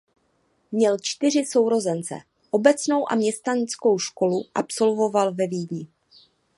Měl čtyři sourozence. Obecnou a měšťanskou školu absolvoval ve Vídni.